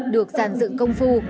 được sản dựng công phu